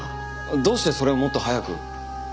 どうしてそれをもっと早く。